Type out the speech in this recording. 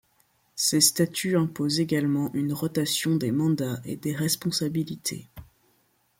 Ses statuts imposent également une rotation des mandats et des responsabilités.